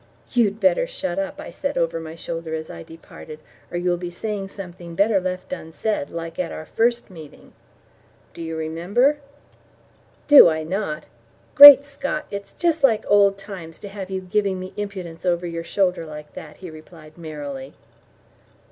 "You'd better shut up," I said over my shoulder as I departed, "or you will be saying something better left unsaid, like at our first meeting. Do you remember?" "Do I not? Great Scot, it's just like old times to have you giving me impudence over your shoulder like that!" he replied merrily.